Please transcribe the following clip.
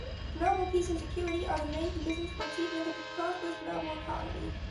Global peace and security are the main conditions for achievement of the prosperous global economy.